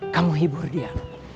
kamu hibur dia